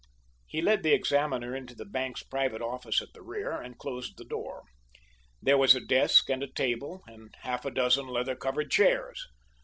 He led the examiner into the bank's private office at the rear, and closed the door. There was a desk, and a table, and half a dozen leather covered chairs.